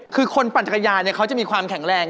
คือคนปั่นจักรยานเขาจะมีความแข็งแรง